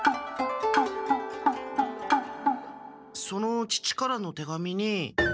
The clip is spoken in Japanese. その父からの手紙に。